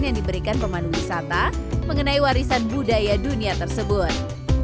yang diberikan pemandu wisata mengenai warisan budaya dunia tersebut